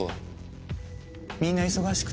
みんな忙しくて。